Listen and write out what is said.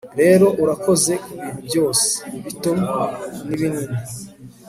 rero, urakoze kubintu byose, bito nibinini